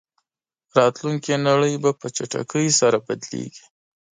راتلونکې نړۍ به په چټکۍ سره بدلېږي.